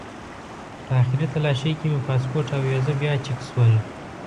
په آخري تالاشۍ کې مې پاسپورټ او ویزه بیا چک شول.